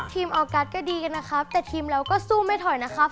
ออกัสก็ดีกันนะครับแต่ทีมเราก็สู้ไม่ถอยนะครับ